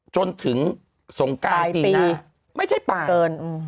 จนถึงสงการปีหน้าไม่ใช่ป่าเกิน